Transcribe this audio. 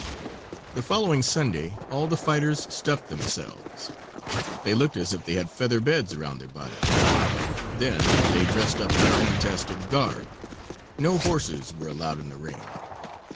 The following Sunday all the fighters stuffed themselves. They looked as if they had feather beds around their bodies. Then they dressed up in fantastic garb. No horses were allowed in the ring.